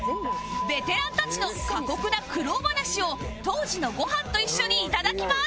ベテランたちの過酷な苦労話を当時のご飯と一緒に頂きます